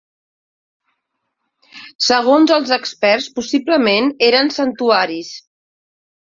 Segons els experts, possiblement eren santuaris.